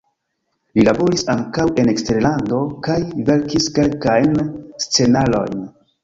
Li laboris ankaŭ en eksterlando kaj verkis kelkajn scenarojn.